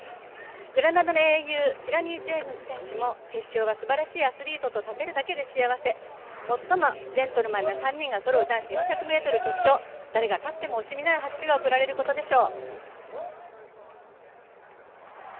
グラナダの英雄、キラニ・ジェームス選手も決勝はすばらしい選手と立てるだけでも幸せ、最もジェントルマンな３人がそろう男子４００ｍ決勝誰が勝っても惜しみない拍手が送られることでしょう。